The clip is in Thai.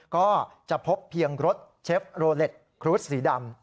ก็จะพบเพียงรถเชฟโรเล็ตครูสสีดำ